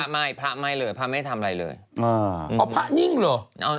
มายพ๊ะพ๊ะไม่อะภะไม่ทำไรเลยอ่ะป๊าหนิ่งเหรอ